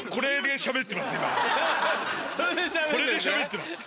これでしゃべってますよ。